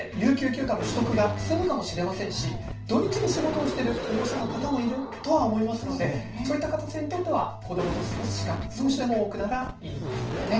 進むかもしれませんし、土日に仕事をしている保護者の方もいるいるとは思いますのでそういう方にとっては子どもと過ごす時間、少しでも長くなるといいですよね。